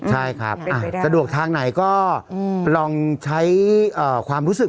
ใช่ครับสะดวกทางไหนก็ลองใช้ความรู้สึก